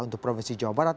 untuk provinsi jawa barat